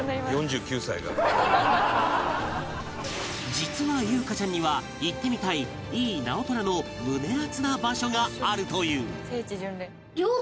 実は裕加ちゃんには行ってみたい井伊直虎の胸アツな場所があるという